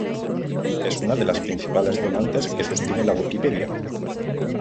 Es una de las principales donantes que sostienen la Wikipedia.